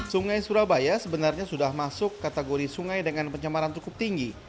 sungai surabaya sebenarnya sudah masuk kategori sungai dengan pencemaran cukup tinggi